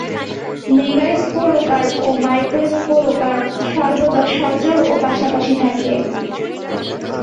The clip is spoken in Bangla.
মেগাস্পোরোকার্প ও মাইক্রোস্পোরোকার্প সর্বদা সজোড় ও পাশাপাশি থাকে।